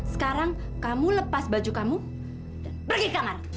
sekarang kamu lepas baju kamu pergi ke kamar